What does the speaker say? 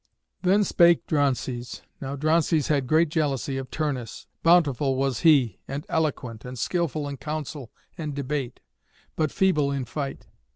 Then spake Drances. (Now Drances had great jealousy of Turnus. Bountiful was he, and eloquent, and skilful in counsel and debate, but feeble in fight.)